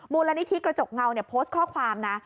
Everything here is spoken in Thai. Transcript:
มูลนิธิกระจกเงาโพสต์ข้อความนะ